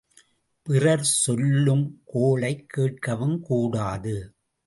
பிறர் சொல்லும் கோளைக் கேட்கவும் கூடாது.